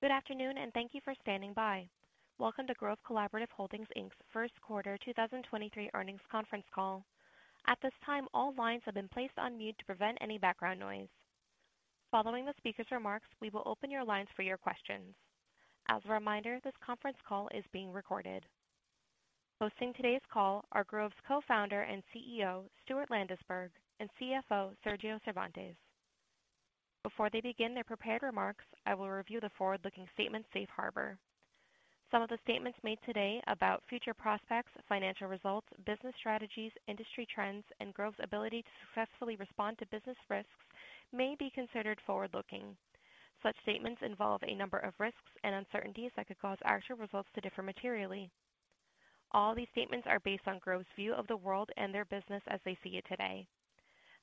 Good afternoon, and thank you for standing by. Welcome to Grove Collaborative Holdings, Inc's First Quarter 2023 Earnings Conference Call. At this time, all lines have been placed on mute to prevent any background noise. Following the speaker's remarks, we will open your lines for your questions. As a reminder, this conference call is being recorded. Hosting today's call are Grove's co-founder and CEO, Stuart Landesberg, and CFO, Sergio Cervantes. Before they begin their prepared remarks, I will review the forward-looking statements, Safe Harbor. Some of the statements made today about future prospects, financial results, business strategies, industry trends, and Grove's ability to successfully respond to business risks may be considered forward-looking. Such statements involve a number of risks and uncertainties that could cause actual results to differ materially. All these statements are based on Grove's view of the world and their business as they see it today.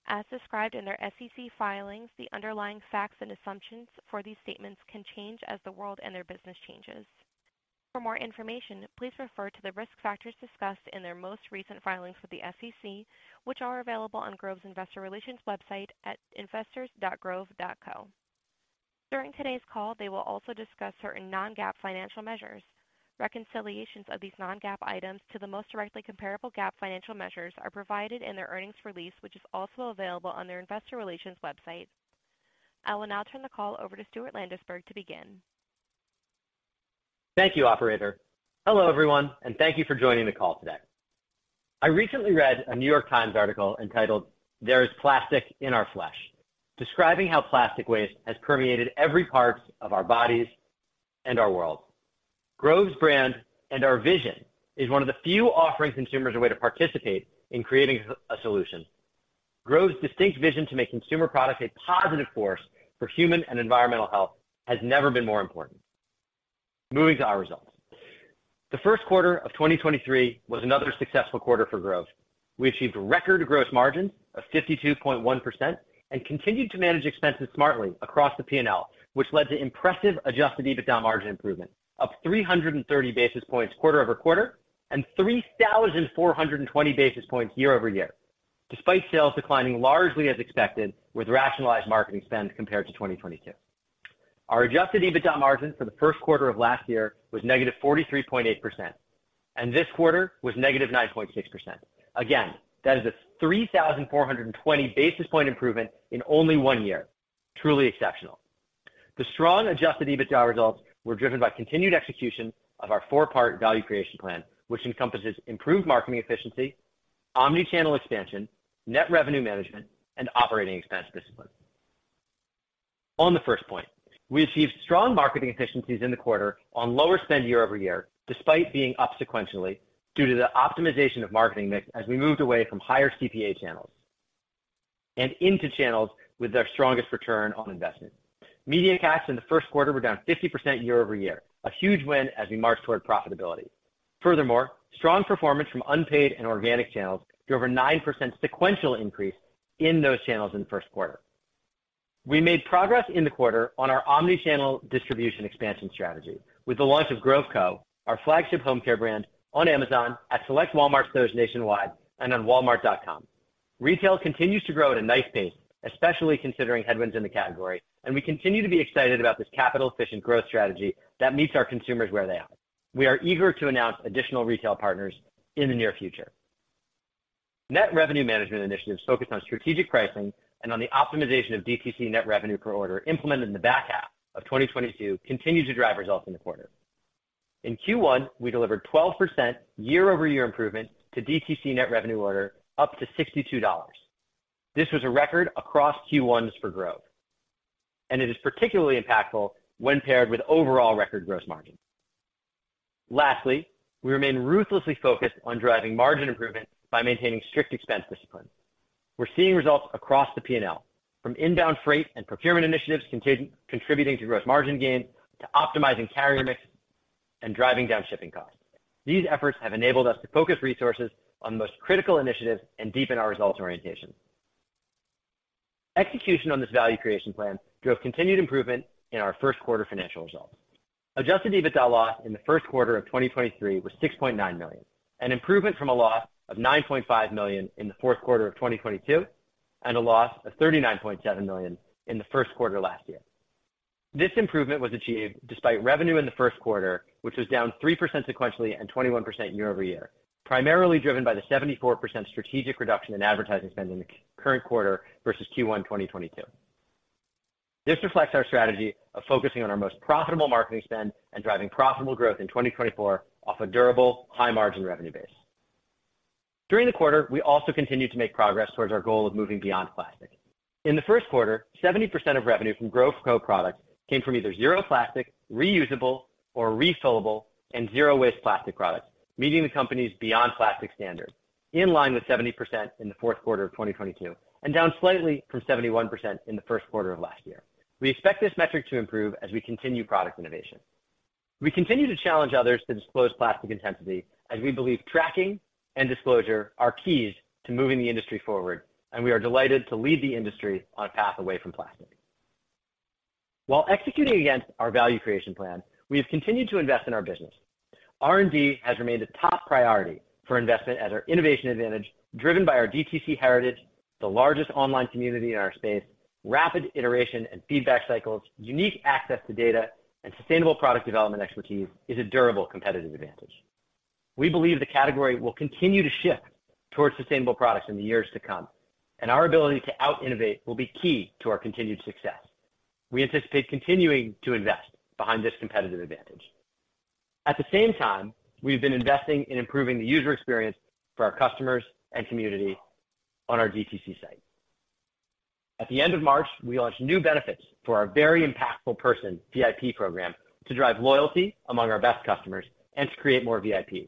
As described in their SEC filings, the underlying facts and assumptions for these statements can change as the world and their business changes. For more information, please refer to the risk factors discussed in their most recent filings with the SEC, which are available on Grove's Investor Relations website at investors.grove.co. During today's call, they will also discuss certain non-GAAP financial measures. Reconciliations of these non-GAAP items to the most directly comparable GAAP financial measures are provided in their earnings release, which is also available on their Investor Relations website. I will now turn the call over to Stuart Landesberg to begin. Thank you, Operator. Hello, everyone, and thank you for joining the call today. I recently read a The New York Times article entitled, "There Is Plastic in Our Flesh," describing how plastic waste has permeated every part of our bodies and our world. Grove's brand and our vision is one of the few offering consumers a way to participate in creating a solution. Grove's distinct vision to make consumer products a positive force for human and environmental health has never been more important. Moving to our results. The first quarter of 2023 was another successful quarter for Grove. We achieved record gross margins of 52.1% and continued to manage expenses smartly across the P&L, which led to impressive Adjusted EBITDA margin improvement of 330 basis points quarter-over-quarter and 3,420 basis points year-over-year, despite sales declining largely as expected with rationalized marketing spend compared to 2022. Our Adjusted EBITDA margin for the first quarter of last year was -43.8%, and this quarter was -9.6%. Again, that is a 3,420 basis point improvement in only one year. Truly exceptional. The strong Adjusted EBITDA results were driven by continued execution of our four-part value creation plan, which encompasses improved marketing efficiency, omni-channel expansion, net revenue management, and operating expense discipline. On the first point, we achieved strong marketing efficiencies in the quarter on lower spend year-over-year, despite being up sequentially due to the optimization of marketing mix as we moved away from higher CPA channels and into channels with their strongest return on investment. Media costs in the first quarter were down 50% year-over-year, a huge win as we march toward profitability. Strong performance from unpaid and organic channels drove a 9% sequential increase in those channels in the first quarter. We made progress in the quarter on our omni-channel distribution expansion strategy with the launch of Grove Co, our flagship home care brand, on Amazon, at select Walmart stores nationwide, and on Walmart.com. Retail continues to grow at a nice pace, especially considering headwinds in the category, and we continue to be excited about this capital-efficient growth strategy that meets our consumers where they are. We are eager to announce additional retail partners in the near future. Net revenue management initiatives focused on strategic pricing and on the optimization of DTC net revenue per order, implemented in the back half of 2022, continued to drive results in the quarter. In Q1, we delivered 12% year-over-year improvement to DTC net revenue order, up to $62. This was a record across Q1s for Grove, and it is particularly impactful when paired with overall record gross margin. Lastly, we remain ruthlessly focused on driving margin improvement by maintaining strict expense discipline. We're seeing results across the P&L, from inbound freight and procurement initiatives contributing to gross margin gains, to optimizing carrier mix and driving down shipping costs. These efforts have enabled us to focus resources on the most critical initiatives and deepen our results orientation. Execution on this value creation plan drove continued improvement in our first quarter financial results. Adjusted EBITDA loss in the first quarter of 2023 was $6.9 million, an improvement from a loss of $9.5 million in the fourth quarter of 2022 and a loss of $39.7 million in the first quarter last year. This improvement was achieved despite revenue in the first quarter, which was down 3% sequentially and 21% year-over-year, primarily driven by the 74% strategic reduction in advertising spend in the current quarter versus Q1 2022. This reflects our strategy of focusing on our most profitable marketing spend and driving profitable growth in 2024 off a durable, high-margin revenue base. During the quarter, we also continued to make progress towards our goal of moving beyond plastic. In the first quarter, 70% of revenue from Grove Co products came from either zero plastic, reusable or refillable, and zero-waste plastic products, meeting the company's beyond plastic standard, in line with 70% in the fourth quarter of 2022 and down slightly from 71% in the first quarter of last year. We expect this metric to improve as we continue product innovation. We continue to challenge others to disclose plastic intensity, as we believe tracking and disclosure are keys to moving the industry forward, and we are delighted to lead the industry on a path away from plastic. While executing against our value creation plan, we have continued to invest in our business. R&D has remained a top priority for investment as our innovation advantage, driven by our DTC heritage, the largest online community in our space, rapid iteration and feedback cycles, unique access to data, and sustainable product development expertise, is a durable competitive advantage. We believe the category will continue to shift towards sustainable products in the years to come, and our ability to out-innovate will be key to our continued success. We anticipate continuing to invest behind this competitive advantage. At the same time, we've been investing in improving the user experience for our customers and community on our DTC site. At the end of March, we launched new benefits for our Very Impactful Person, VIP program, to drive loyalty among our best customers and to create more VIPs.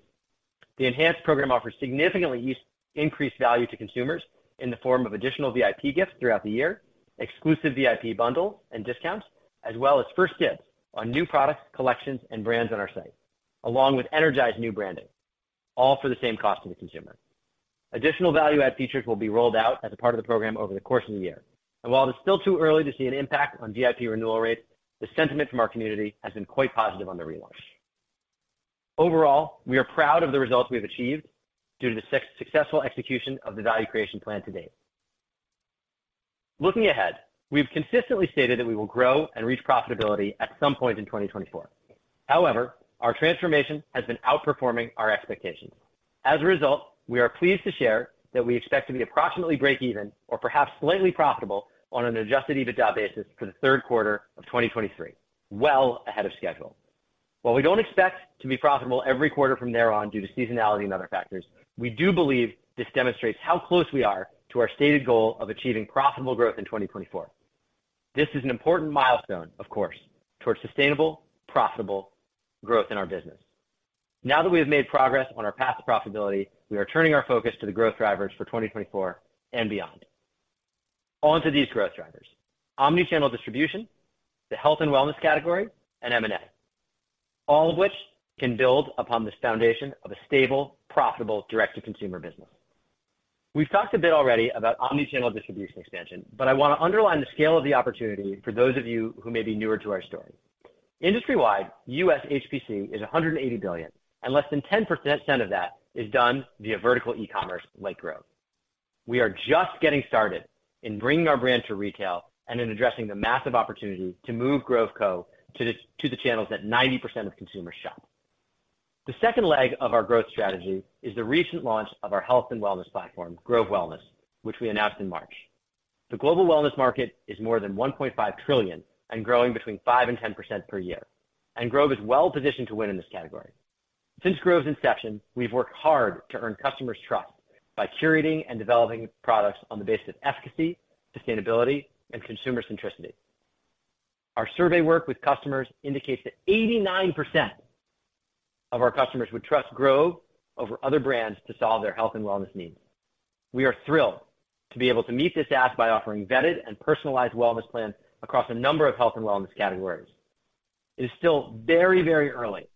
The enhanced program offers significantly increased value to consumers in the form of additional VIP gifts throughout the year, exclusive VIP bundle and discounts, as well as first dibs on new products, collections, and brands on our site, along with energized new branding, all for the same cost to the consumer. Additional value-add features will be rolled out as a part of the program over the course of the year. While it's still too early to see an impact on VIP renewal rates, the sentiment from our community has been quite positive on the relaunch. Overall, we are proud of the results we have achieved due to the successful execution of the value creation plan to date. Looking ahead, we've consistently stated that we will grow and reach profitability at some point in 2024. However, our transformation has been outperforming our expectations. As a result, we are pleased to share that we expect to be approximately breakeven or perhaps slightly profitable on an Adjusted EBITDA basis for the third quarter of 2023, well ahead of schedule. While we don't expect to be profitable every quarter from there on due to seasonality and other factors, we do believe this demonstrates how close we are to our stated goal of achieving profitable growth in 2024. This is an important milestone, of course, towards sustainable, profitable growth in our business. Now that we have made progress on our path to profitability, we are turning our focus to the growth drivers for 2024 and beyond. On to these growth drivers: omni-channel distribution, the health and wellness category, and M&A, all of which can build upon this foundation of a stable, profitable, direct-to-consumer business. We've talked a bit already about omni-channel distribution expansion, but I want to underline the scale of the opportunity for those of you who may be newer to our story. Industry-wide, U.S. HPC is $180 billion, and less than 10% of that is done via vertical e-commerce like Grove. We are just getting started in bringing our brand to retail and in addressing the massive opportunity to move Grove Co to the channels that 90% of consumers shop. The second leg of our growth strategy is the recent launch of our health and wellness platform, Grove Wellness, which we announced in March. The global wellness market is more than $1.5 trillion and growing between 5% and 10% per year, and Grove is well positioned to win in this category. Since Grove's inception, we've worked hard to earn customers' trust by curating and developing products on the basis of efficacy, sustainability, and consumer centricity. Our survey work with customers indicates that 89% of our customers would trust Grove over other brands to solve their health and wellness needs. We are thrilled to be able to meet this ask by offering vetted and personalized wellness plans across a number of health and wellness categories. It is still very, very early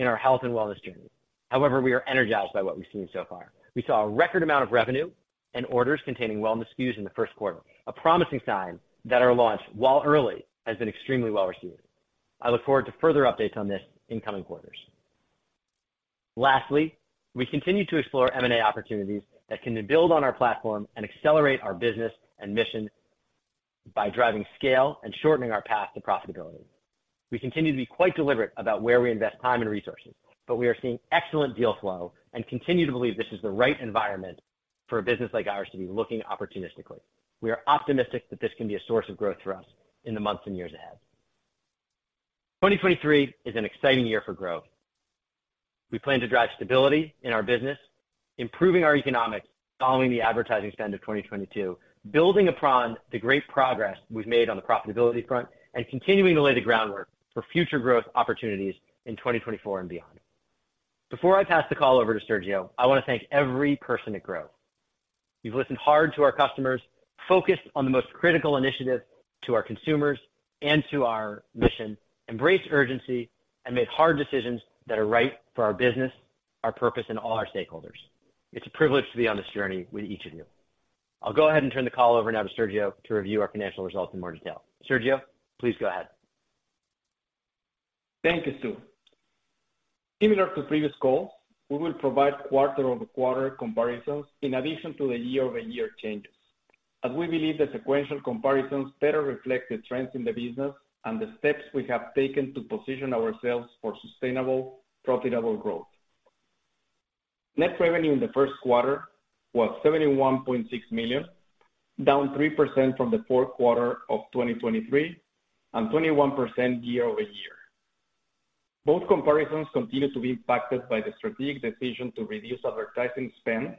in our health and wellness journey. However, we are energized by what we've seen so far. We saw a record amount of revenue and orders containing wellness SKUs in the first quarter, a promising sign that our launch, while early, has been extremely well received. I look forward to further updates on this in coming quarters. Lastly, we continue to explore M&A opportunities that can build on our platform and accelerate our business and mission by driving scale and shortening our path to profitability. We continue to be quite deliberate about where we invest time and resources, but we are seeing excellent deal flow and continue to believe this is the right environment for a business like ours to be looking opportunistically. We are optimistic that this can be a source of growth for us in the months and years ahead. 2023 is an exciting year for growth. We plan to drive stability in our business, improving our economics following the advertising spend of 2022, building upon the great progress we've made on the profitability front, and continuing to lay the groundwork for future growth opportunities in 2024 and beyond. Before I pass the call over to Sergio, I want to thank every person at Grove. We've listened hard to our customers, focused on the most critical initiative to our consumers and to our mission, embraced urgency, and made hard decisions that are right for our business, our purpose, and all our stakeholders. It's a privilege to be on this journey with each of you. I'll go ahead and turn the call over now to Sergio to review our financial results in more detail. Sergio, please go ahead. Thank you, Stu. Similar to previous calls, we will provide quarter-over-quarter comparisons in addition to the year-over-year changes, as we believe the sequential comparisons better reflect the trends in the business and the steps we have taken to position ourselves for sustainable, profitable growth. Net revenue in the first quarter was $71.6 million, down 3% from the fourth quarter of 2023 and 21% year-over-year. Both comparisons continue to be impacted by the strategic decision to reduce advertising spend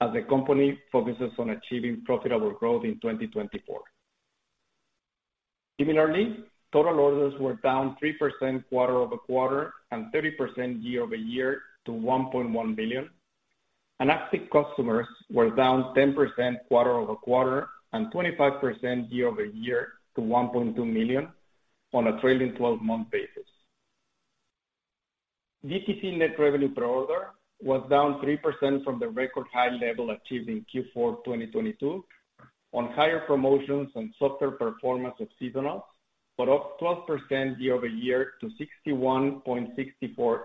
as the company focuses on achieving profitable growth in 2024. Total orders were down 3% quarter-over-quarter and 30% year-over-year to 1.1 billion. Active customers were down 10% quarter-over-quarter and 25% year-over-year to 1.2 million on a trailing 12 month basis. DTC net revenue per order was down 3% from the record high level achieved in Q4 2022 on higher promotions and softer performance of seasonal, up 12% year-over-year to $61.64.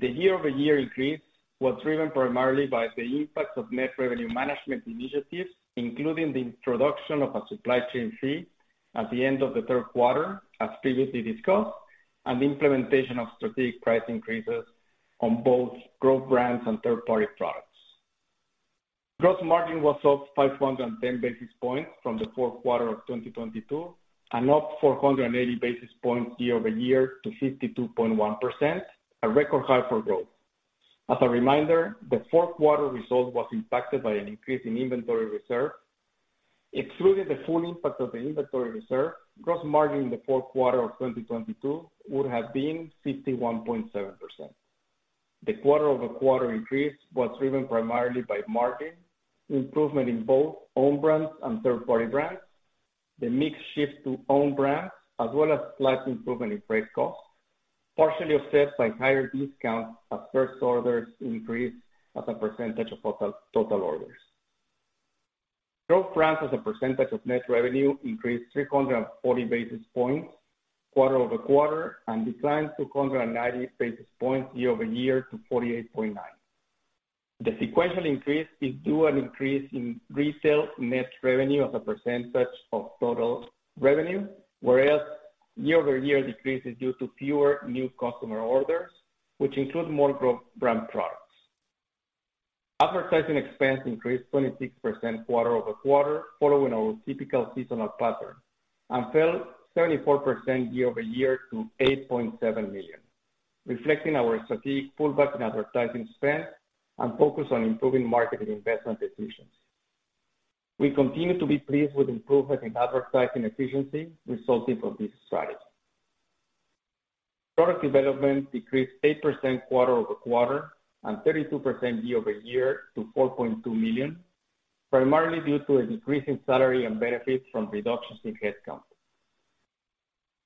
The year-over-year increase was driven primarily by the impact of net revenue management initiatives, including the introduction of a supply chain fee at the end of the third quarter, as previously discussed, and the implementation of strategic price increases on both Grove brands and third-party products. Gross margin was up 510 basis points from the fourth quarter of 2022, up 480 basis points year-over-year to 52.1%, a record high for growth. As a reminder, the fourth quarter result was impacted by an increase in inventory reserve. Excluding the full impact of the inventory reserve, gross margin in the fourth quarter of 2022 would have been 61.7%. The quarter-over-quarter increase was driven primarily by margin improvement in both own brands and third-party brands, the mix shift to own brands, as well as slight improvement in freight costs, partially offset by higher discounts as first orders increased as a percentage of total orders. Grove brands as a percentage of net revenue increased 340 basis points quarter-over-quarter, and declined 290 basis points year-over-year to 48.9. The sequential increase is due an increase in resale net revenue as a percentage of total revenue, whereas year-over-year decrease is due to fewer new customer orders, which include more Grove brand products. Advertising expense increased 26% quarter-over-quarter, following our typical seasonal pattern, and fell 74% year-over-year to $8.7 million, reflecting our strategic pullback in advertising spend and focus on improving marketing investment decisions. We continue to be pleased with improvement in advertising efficiency resulting from this strategy. Product development decreased 8% quarter-over-quarter and 32% year-over-year to $4.2 million, primarily due to a decrease in salary and benefits from reductions in headcount.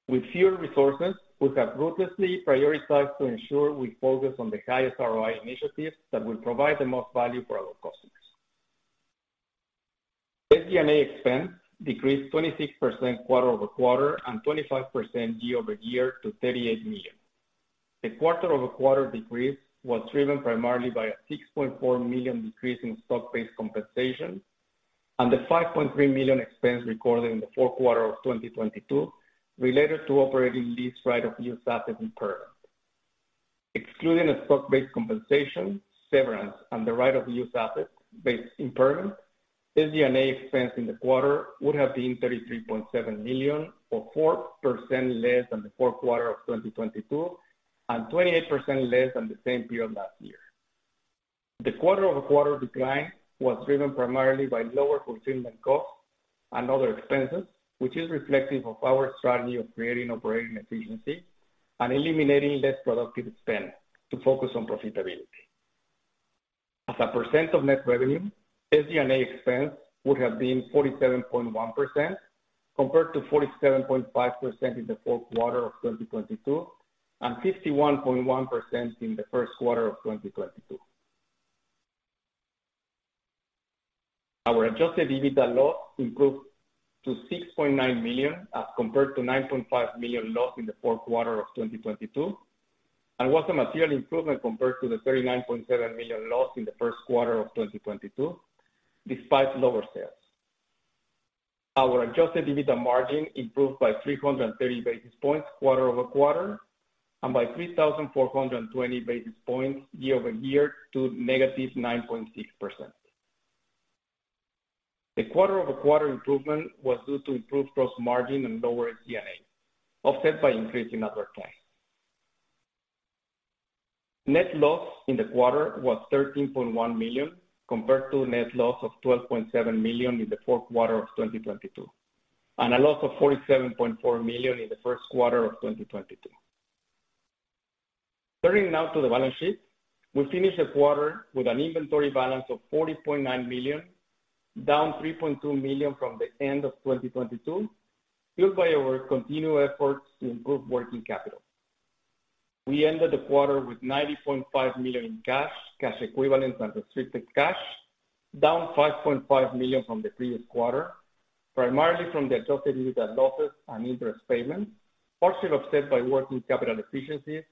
With fewer resources, we have ruthlessly prioritized to ensure we focus on the highest ROI initiatives that will provide the most value for our customers. SG&A expense decreased 26% quarter-over-quarter and 25% year-over-year to $38 million. The quarter-over-quarter decrease was driven primarily by a $6.4 million decrease in stock-based compensation and the $5.3 million expense recorded in the fourth quarter of 2022 related to operating lease right-of-use asset impairment. Excluding a stock-based compensation, severance, and the right-of-use asset-based impairment, SG&A expense in the quarter would have been $33.7 million, or 4% less than the fourth quarter of 2022, and 28% less than the same period last year. The quarter-over-quarter decline was driven primarily by lower fulfillment costs and other expenses, which is reflective of our strategy of creating operating efficiency and eliminating less productive spend to focus on profitability. As a % of net revenue, SG&A expense would have been 47.1%, compared to 47.5% in the fourth quarter of 2022, and 51.1% in the first quarter of 2022. Our Adjusted EBITDA loss improved to $6.9 million, as compared to $9.5 million loss in the fourth quarter of 2022, and was a material improvement compared to the $39.7 million loss in the first quarter of 2022, despite lower sales. Our Adjusted EBITDA margin improved by 330 basis points quarter-over-quarter, and by 3,420 basis points year-over-year to negative 9.6%. The quarter-over-quarter improvement was due to improved gross margin and lower SG&A, offset by increase in advertising. Net loss in the quarter was $13.1 million, compared to a net loss of $12.7 million in the fourth quarter of 2022, and a loss of $47.4 million in the first quarter of 2022. Turning now to the balance sheet. We finished the quarter with an inventory balance of $40.9 million, down $3.2 million from the end of 2022, fueled by our continued efforts to improve working capital. We ended the quarter with $90.5 million in cash, cash equivalents, and restricted cash, down $5.5 million from the previous quarter, primarily from the Adjusted EBITDA losses and interest payments, partially offset by working capital efficiencies,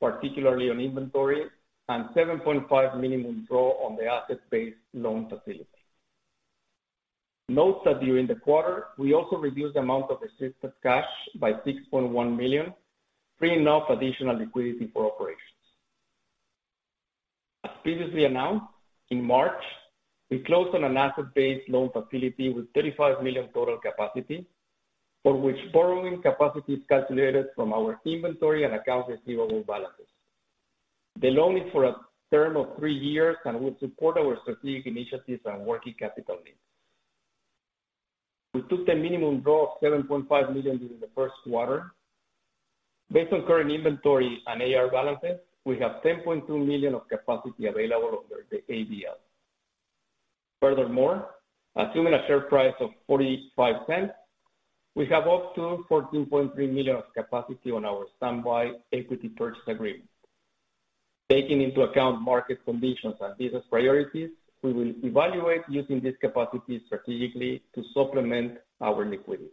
particularly on inventory and $7.5 minimum draw on the asset-based loan facility. Note that during the quarter, we also reduced the amount of restricted cash by $6.1 million, freeing up additional liquidity for operations. As previously announced, in March, we closed on an asset-based loan facility with $35 million total capacity, for which borrowing capacity is calculated from our inventory and accounts receivable balances. The loan is for a term of three years and will support our strategic initiatives and working capital needs. We took the minimum draw of $7.5 million during the first quarter. Based on current inventory and AR balances, we have $10.2 million of capacity available under the ABS. Furthermore, assuming a share price of $0.45, we have up to $14.3 million of capacity on our standby equity purchase agreement. Taking into account market conditions and business priorities, we will evaluate using this capacity strategically to supplement our liquidity.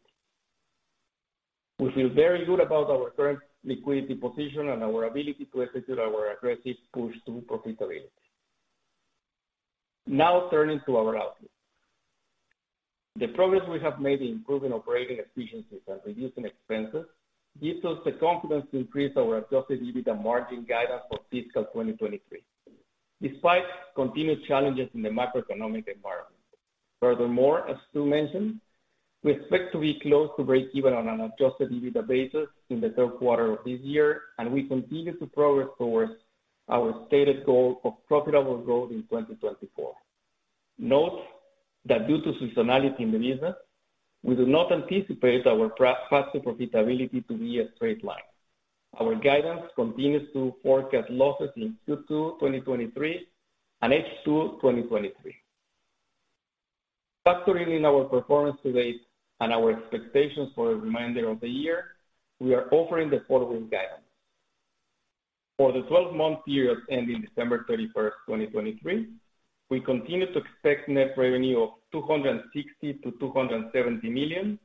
We feel very good about our current liquidity position and our ability to execute our aggressive push through profitability. Turning to our outlook. The progress we have made in improving operating efficiencies and reducing expenses gives us the confidence to increase our Adjusted EBITDA margin guidance for fiscal 2023, despite continued challenges in the macroeconomic environment. As Stu mentioned, we expect to be close to breakeven on an Adjusted EBITDA basis in the third quarter of this year, and we continue to progress towards our stated goal of profitable growth in 2024. Note that due to seasonality in the business, we do not anticipate our path to profitability to be a straight line. Our guidance continues to forecast losses in Q2 2023 and H2 2023. Factoring in our performance to date and our expectations for the remainder of the year, we are offering the following guidance: For the 12-month period ending December 31, 2023, we continue to expect net revenue of $260 million-$270 million.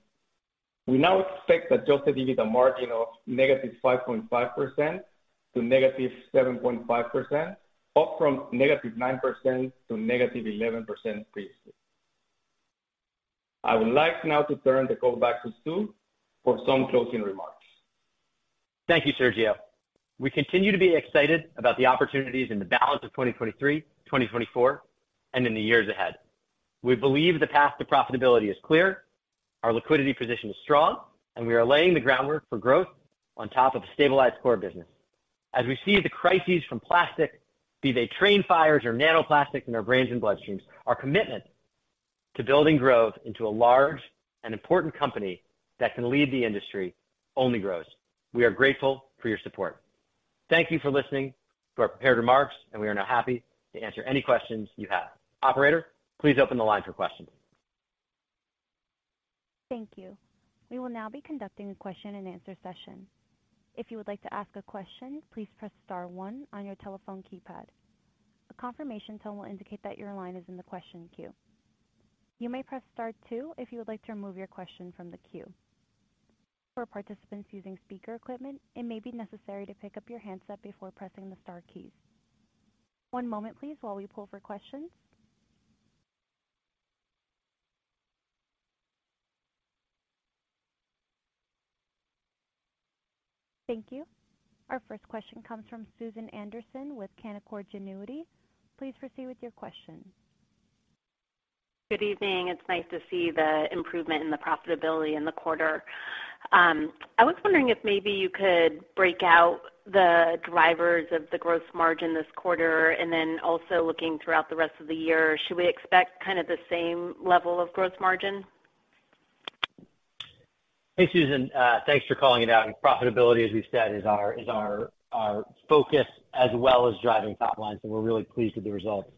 We now expect Adjusted EBITDA margin of -5.5% to -7.5%, up from -9% to -11% previously. I would like now to turn the call back to Stu for some closing remarks. Thank you, Sergio. We continue to be excited about the opportunities in the balance of 2023, 2024, and in the years ahead. We believe the path to profitability is clear, our liquidity position is strong, and we are laying the groundwork for growth on top of a stabilized core business. As we see the crises from plastic, be they train fires or nanoplastics in our brains and bloodstreams, our commitment to building growth into a large and important company that can lead the industry only grows. We are grateful for your support. Thank you for listening to our prepared remarks, and we are now happy to answer any questions you have. Operator, please open the line for questions. Thank you. We will now be conducting a question-and-answer session. If you would like to ask a question, please press star one on your telephone keypad. A confirmation tone will indicate that your line is in the question queue. You may press star two if you would like to remove your question from the queue. For participants using speaker equipment, it may be necessary to pick up your handset before pressing the star keys. One moment, please, while we pull for questions. Thank you. Our first question comes from Susan Anderson with Canaccord Genuity. Please proceed with your question. Good evening. It's nice to see the improvement in the profitability in the quarter. I was wondering if maybe you could break out the drivers of the gross margin this quarter, and then also looking throughout the rest of the year, should we expect kind of the same level of gross margin? Hey, Susan, thanks for calling it out. Profitability, as we've said, is our, is our, our focus as well as driving top line. We're really pleased with the results.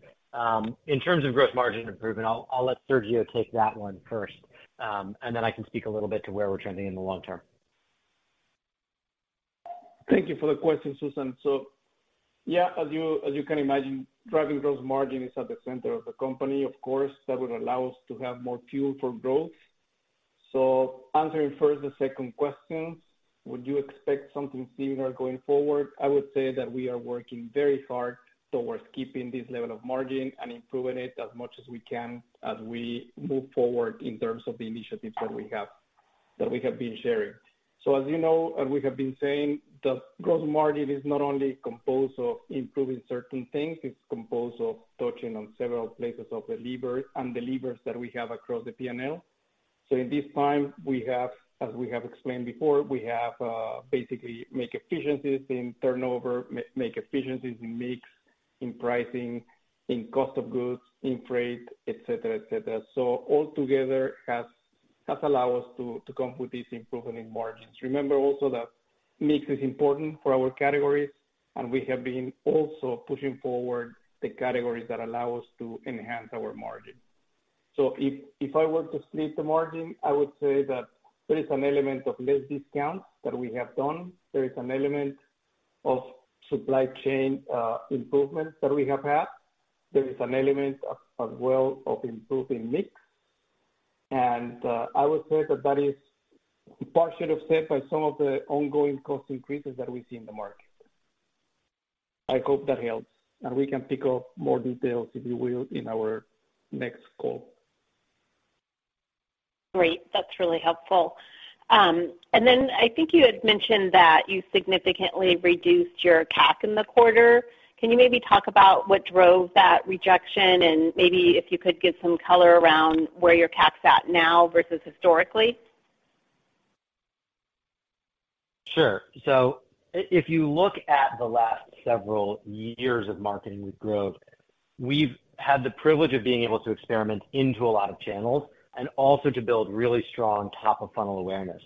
In terms of gross margin improvement, I'll, I'll let Sergio take that one first, and then I can speak a little bit to where we're trending in the long term. Thank you for the question, Susan. Yeah, as you, as you can imagine, driving gross margin is at the center of the company. Of course, that would allow us to have more fuel for growth. Answering first the second question, would you expect something similar going forward? I would say that we are working very hard towards keeping this level of margin and improving it as much as we can as we move forward in terms of the initiatives that we have, that we have been sharing. As you know, and we have been saying, the gross margin is not only composed of improving certain things, it's composed of touching on several places of the levers and the levers that we have across the P&L. In this time, we have, as we have explained before, we have, basically make efficiencies in turnover, make efficiencies in mix, in pricing, in cost of goods, in freight, et cetera, et cetera. All together has allowed us to come with these improvement in margins. Remember also that mix is important for our categories, and we have been also pushing forward the categories that allow us to enhance our margin. If I were to split the margin, I would say that there is an element of less discount that we have done. There is an element of supply chain improvement that we have had. There is an element of, as well, of improving mix, and I would say that that is partially offset by some of the ongoing cost increases that we see in the market. I hope that helps, and we can pick up more details, if you will, in our next call. Great, that's really helpful. Then I think you had mentioned that you significantly reduced your CAP in the quarter. Can you maybe talk about what drove that reduction? Maybe if you could give some color around where your CAP's at now versus historically. Sure. So if you look at the last several years of marketing with growth, we've had the privilege of being able to experiment into a lot of channels and also to build really strong top-of-funnel awareness.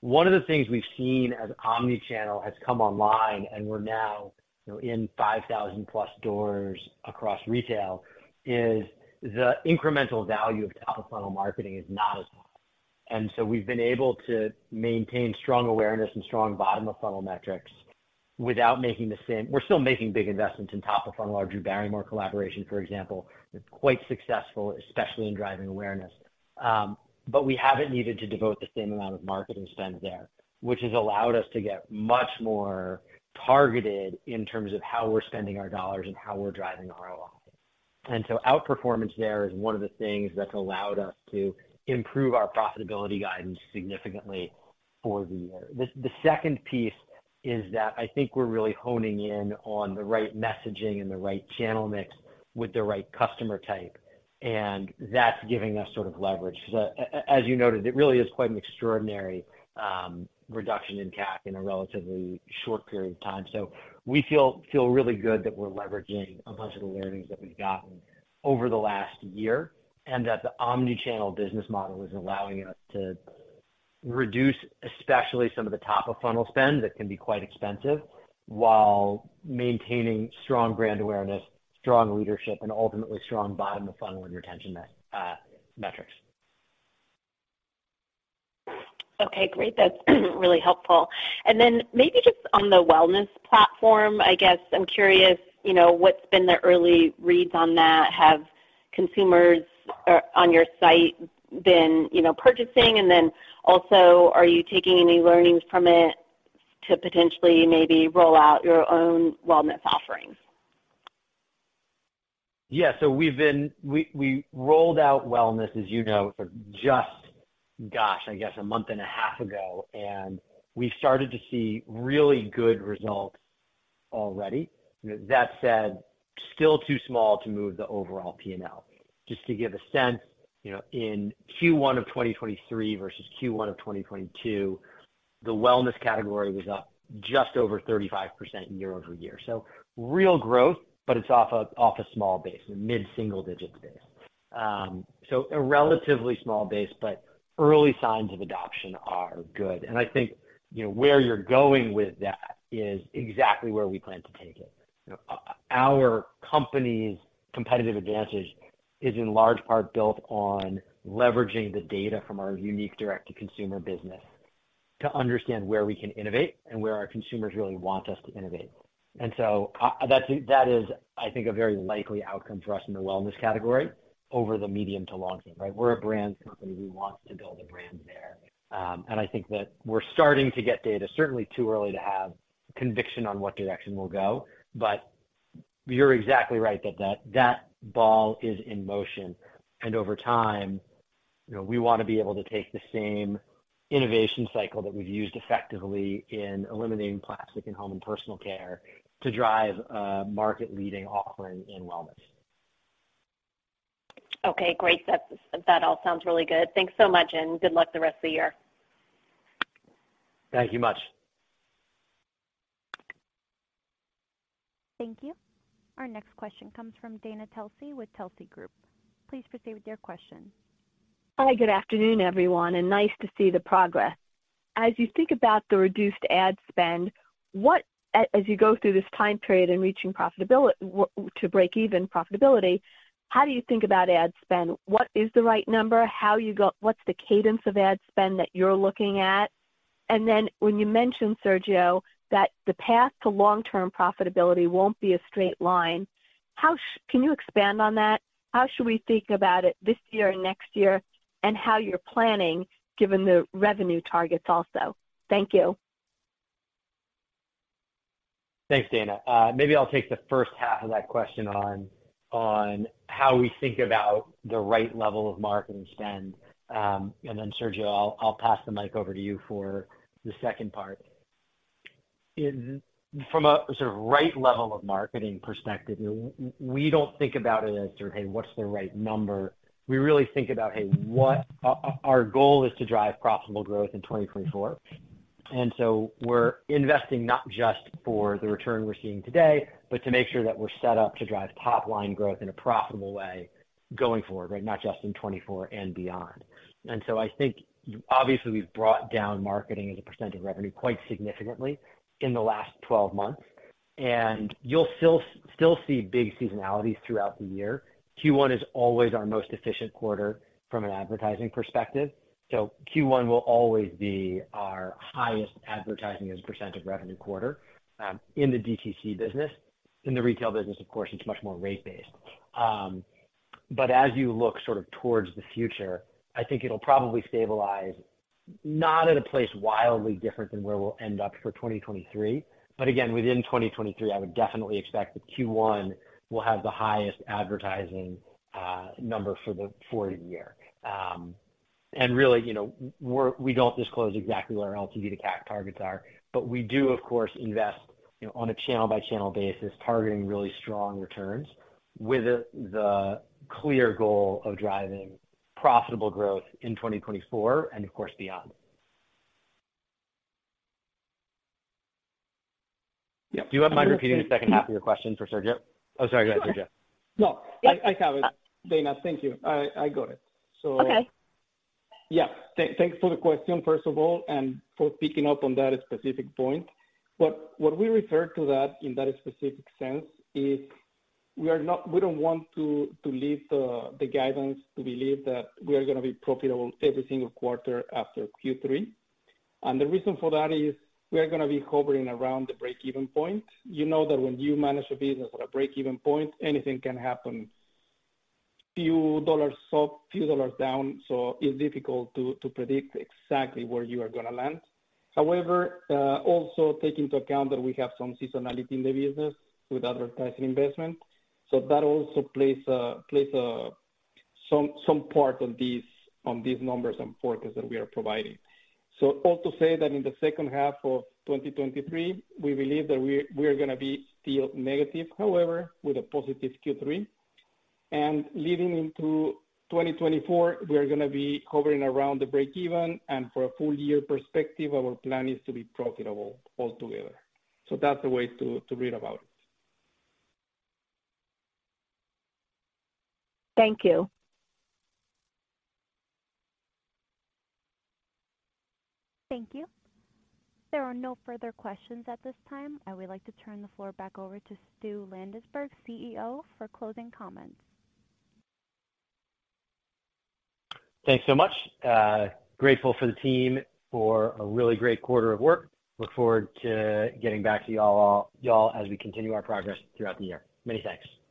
One of the things we've seen as omni-channel has come online, and we're now, you know, in 5,000+ stores across retail, is the incremental value of top-of-funnel marketing is not as high. So we've been able to maintain strong awareness and strong bottom-of-funnel metrics without making the same. We're still making big investments in top-of-funnel, our Drew Barrymore collaboration, for example, is quite successful, especially in driving awareness. But we haven't needed to devote the same amount of marketing spend there, which has allowed us to get much more targeted in terms of how we're spending our dollars and how we're driving ROI. Outperformance there is one of the things that's allowed us to improve our profitability guidance significantly for the year. The second piece is that I think we're really honing in on the right messaging and the right channel mix with the right customer type, and that's giving us sort of leverage. As you noted, it really is quite an extraordinary reduction in CAC in a relatively short period of time. We feel really good that we're leveraging a bunch of the learnings that we've gotten over the last year, and that the omni-channel business model is allowing us to reduce, especially some of the top-of-funnel spend that can be quite expensive, while maintaining strong brand awareness, strong leadership, and ultimately strong bottom-of-funnel and retention metrics. Okay, great. That's really helpful. Then maybe just on the wellness platform, I guess I'm curious, you know, what's been the early reads on that? Have consumers on your site been, you know, purchasing? Then also, are you taking any learnings from it to potentially maybe roll out your own wellness offerings? Yeah. We rolled out Grove Wellness, as you know, for just, gosh, I guess a month and half ago, and we started to see really good results already. That said, still too small to move the overall P&L. Just to give a sense, you know, in Q1 of 2023 versus Q1 of 2022, the wellness category was up just over 35% year-over-year. Real growth, but it's off a small base, a mid-single-digit base. A relatively small base, but early signs of adoption are good. I think, you know, where you're going with that is exactly where we plan to take it. Our company's competitive advantage is in large part built on leveraging the data from our unique direct-to-consumer business to understand where we can innovate and where our consumers really want us to innovate. That's, that is, I think, a very likely outcome for us in the wellness category over the medium to long term, right? We're a brands company. We want to build a brand there. I think that we're starting to get data, certainly too early to have conviction on what direction we'll go, but you're exactly right that, that, that ball is in motion, over time, you know, we want to be able to take the same innovation cycle that we've used effectively in eliminating plastic in home and personal care to drive a market-leading offering in wellness. Okay, great. That all sounds really good. Thanks so much, and good luck the rest of the year. Thank you much. Thank you. Our next question comes from Dana Telsey with Telsey Group. Please proceed with your question. Hi, good afternoon, everyone, and nice to see the progress. As you think about the reduced ad spend, what as you go through this time period in reaching profitability to break-even profitability, how do you think about ad spend? What is the right number? What's the cadence of ad spend that you're looking at? When you mentioned, Sergio, that the path to long-term profitability won't be a straight line, how can you expand on that? How should we think about it this year and next year, and how you're planning, given the revenue targets also? Thank you. Thanks, Dana. Maybe I'll take the first half of that question on, on how we think about the right level of marketing spend, and then, Sergio, I'll, I'll pass the mic over to you for the second part. From a sort of right level of marketing perspective, we don't think about it as, sort of, hey, what's the right number? We really think about, hey, what our goal is to drive profitable growth in 2024, and so we're investing not just for the return we're seeing today, but to make sure that we're set up to drive top-line growth in a profitable way going forward, right? Not just in 2024 and beyond. So I think, obviously, we've brought down marketing as a % of revenue quite significantly in the last 12 months, and you'll still, still see big seasonalities throughout the year. Q1 is always our most efficient quarter from an advertising perspective, so Q1 will always be our highest advertising as a % of revenue quarter in the DTC business. In the retail business, of course, it's much more rate-based. As you look sort of towards the future, I think it'll probably stabilize not at a place wildly different than where we'll end up for 2023, again, within 2023, I would definitely expect that Q1 will have the highest advertising number for the year. Really, you know, we don't disclose exactly what our LTV to CAC targets are, but we do, of course, invest, you know, on a channel-by-channel basis, targeting really strong returns with the clear goal of driving profitable growth in 2024 and, of course, beyond. Do you mind repeating the second half of your question for Sergio? Oh, sorry, go ahead, Sergio. No, I, I have it, Dana. Thank you. I, I got it. Okay. Yeah, thanks for the question, first of all, and for picking up on that specific point. What we refer to that in that specific sense is we are not, we don't want to leave the guidance to believe that we are gonna be profitable every single quarter after Q3. The reason for that is we are gonna be hovering around the break-even point. You know that when you manage a business at a break-even point, anything can happen. Few dollars up, few dollars down, so it's difficult to predict exactly where you are gonna land. However, also take into account that we have some seasonality in the business with advertising investment, so that also plays a, some part on these numbers and forecasts that we are providing. All to say that in the second half of 2023, we believe that we are gonna be still negative, however, with a positive Q3. Leading into 2024, we are gonna be hovering around the break even, and for a full year perspective, our plan is to be profitable altogether. That's the way to, to read about it. Thank you. Thank you. There are no further questions at this time. I would like to turn the floor back over to Stu Landesberg, CEO, for closing comments. Thanks so much. Grateful for the team for a really great quarter of work. Look forward to getting back to y'all, y'all, as we continue our progress throughout the year. Many thanks!